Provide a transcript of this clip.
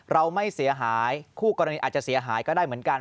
เราไม่เสียหายคู่กรณีอาจจะเสียหายก็ได้เหมือนกัน